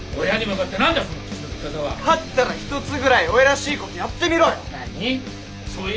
だったらひとつぐらい親らしいことやってみろよ！